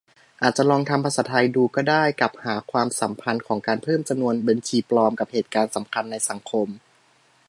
อาจลองทำภาษาไทยดูก็ได้ กับหาความสัมพันธ์ของการเพิ่มจำนวนบัญชีปลอมกับเหตุการณ์สำคัญในสังคม ?